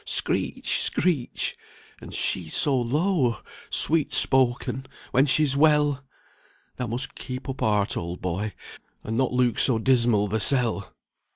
Screech! screech! and she so low, sweet spoken, when she's well! Thou must keep up heart, old boy, and not look so dismal, thysel."